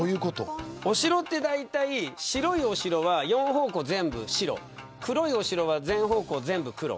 お城って、だいたい白いお城は４方向全部白黒いお城は全方向、全部黒。